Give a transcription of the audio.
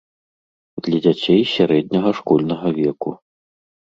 Для дзяцей сярэдняга школьнага веку.